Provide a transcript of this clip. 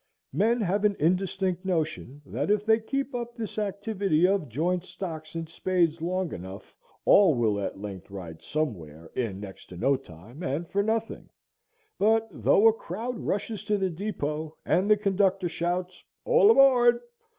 Men have an indistinct notion that if they keep up this activity of joint stocks and spades long enough all will at length ride somewhere, in next to no time, and for nothing; but though a crowd rushes to the depot, and the conductor shouts "All aboard!"